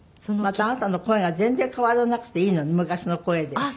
またあなたの声が全然変わらなくていいの昔の声で。